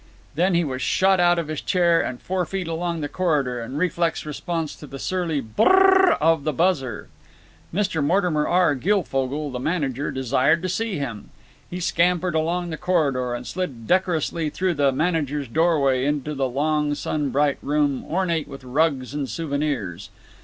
Then he was shot out of his chair and four feet along the corridor, in reflex response to the surly "Bur r r r r" of the buzzer. Mr. Mortimer R. Guilfogle, the manager, desired to see him. He scampered along the corridor and slid decorously through the manager's doorway into the long sun bright room, ornate with rugs and souvenirs.